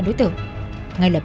đối tượng chạy lên